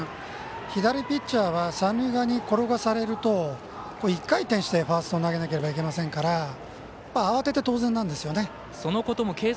左ピッチャーは三塁側に転がされると１回転してファースト投げなければいけませんから慌てて当然なんですよね。